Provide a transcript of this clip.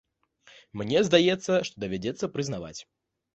Мне здаецца, што давядзецца прызнаваць.